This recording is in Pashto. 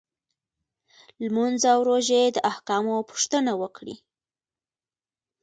لمونځ او روژې د احکامو پوښتنه وکړي.